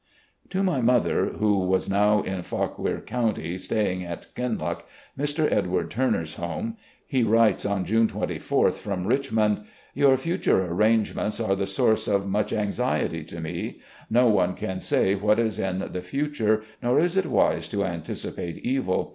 To my mother, who was now in Fauquier County, staying at "Kinloch," Mr. Edward Turner's home, he writes on June 24th, from Richmond: "... Your future arrangements are the source of much anxiety to me. No one can say what is in the future, nor is it wise to anticipate evil.